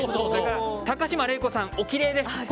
高島礼子さん、おきれいです。